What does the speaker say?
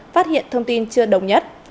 phát hiện thông tin chưa đồng nhất